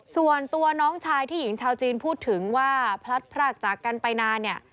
ส่วนตัวน้องชายที่หญิงชาวจีนพูดถึงว่าพลัดพรากจากกันไปนานเนี่ย